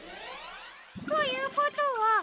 ということは。